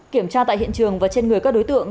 kiểm tra tại hiện trường và trên người các đối tượng